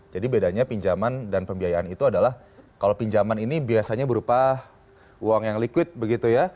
jadi bedanya pinjaman dan pembiayaan itu adalah kalau pinjaman ini biasanya berupa uang yang liquid begitu ya